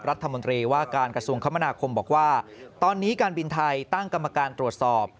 รัฐมนตรีว่าการกระทรวงคมนาคมบอกว่าตอนนี้การบินไทยตั้งกรรมการตรวจสอบ